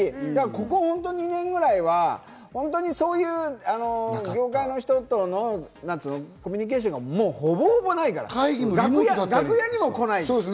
ここ２年ぐらいはそういう業界の人と飲むコミュニケーションがほぼほぼないから、楽屋にも来ない。